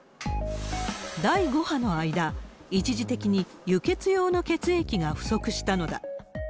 第５波の間、一時的に輸血用の血液が不足したのだ。